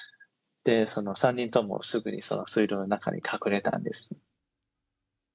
その３人とも、すぐにその水路の中に隠れたんです。